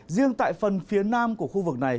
riêng tại phần phía nam của khu vực này